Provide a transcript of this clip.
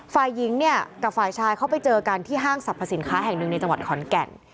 ฝ่ายหญิงเนี่ยกับฝ่ายชายเขาไปเจอกันที่ห้างสรรพสินค้าแห่งหนึ่งในจังหวัดขอนแก่น